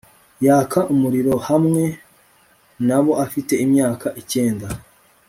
yaka umuriro hamwe naboafite imyaka icyenda